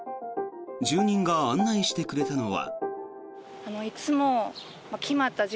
住人が案内してくれたのは。